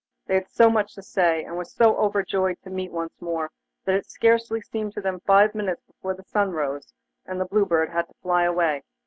They had so much to say, and were so overjoyed to meet once more, that it scarcely seemed to them five minutes before the sun rose, and the Blue Bird had to fly away.